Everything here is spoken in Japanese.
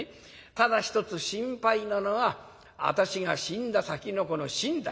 ただ一つ心配なのは私が死んだ先のこの身代。